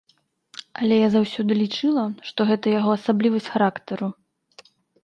Але я заўсёды лічыла, што гэта яго асаблівасць характару.